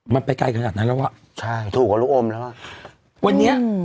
มันไปไกลขนาดนั้นแล้วอ่ะใช่ถูกกับลูกอมแล้วอ่ะวันนี้